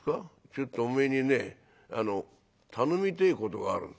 「ちょっとおめえにねあの頼みてえことがある」。